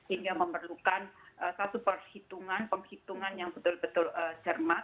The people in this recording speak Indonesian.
sehingga memerlukan satu perhitungan penghitungan yang betul betul cermat